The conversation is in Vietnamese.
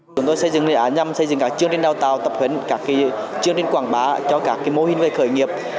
chúng tôi xây dựng đề án nhằm xây dựng các chương trình đào tạo tập huấn các chương trình quảng bá cho các mô hình về khởi nghiệp